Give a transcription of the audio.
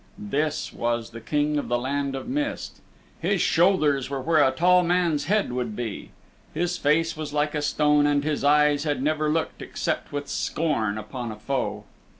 This was the King of the Land of Mist. His shoulders were where a tall man's head would be. His face was like a stone, and his eyes had never looked except with scorn upon a foe.